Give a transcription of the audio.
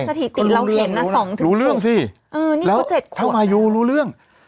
รับสถิติเราเห็นน่ะสองถึงรู้เรื่องสิเออนี่เขาเจ็ดขวบแล้วเข้ามาอยู่รู้เรื่อง